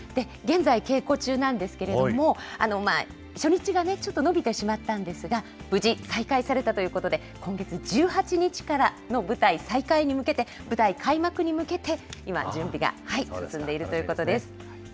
現在、稽古中なんですけれども、初日がちょっと延びてしまったんですが、無事再開されたということで、今月１８日からの舞台再開に向けて、舞台開幕に向けて、今、準備が進んでいるということです。